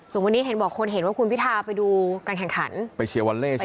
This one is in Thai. ส่วนวันนี้เห็นบอกคนเห็นว่าคุณพิทาไปดูการแข่งขันไปเชียร์วอลเล่ใช่ไหม